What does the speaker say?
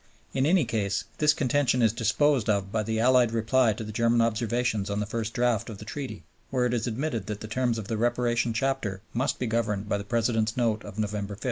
In any case, this contention is disposed of by the Allied reply to the German observations on the first draft of the Treaty, where it is admitted that the terms of the Reparation Chapter must be governed by the President's Note of November 5.